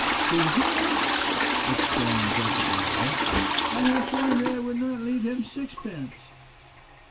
"To him!" exclaimed Jacob Nowell. "I have sworn that I would not leave him sixpence."